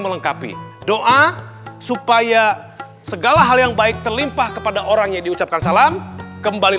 melengkapi doa supaya segala hal yang baik terlimpah kepada orang yang diucapkan salam kembali